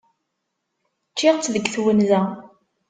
Ččiɣ-tt deg twenza.